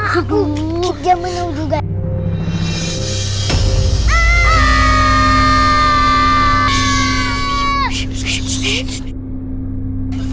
aku tidak menunggu guys